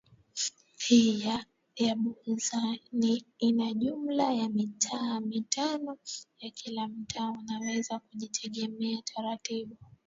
hii ya Buza ina jumla ya mitaa mitano na kila mtaa umeweza kujitengenezea taratibu